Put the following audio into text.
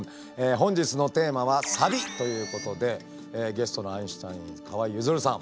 本日のテーマは「サビ」ということでゲストのアインシュタイン河井ゆずるさん。